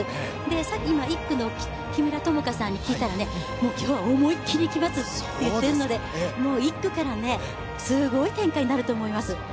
さっき１区の木村友香さんに聞いたら、今日は思いきりいきますと言っていたので、１区からすごい展開になると思います。